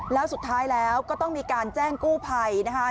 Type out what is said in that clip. แล้วสุดท้ายแล้วก็ต้องมีการแจ้งกู้ภัยนะคะ